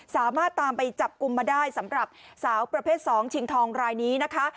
สามารถตามไปจับกลุ่มมาได้สำหรับสาวประเภท๒ชิงทองรายนี้นะคะ